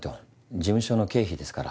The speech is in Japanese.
事務所の経費ですから。